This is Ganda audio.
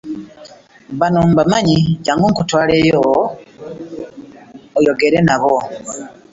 Bano mbamanyi jangu nkutwaleyo oyogere nabo.